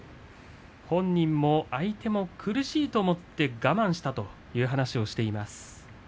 本人も相手も苦しいと思って我慢したという話をしています。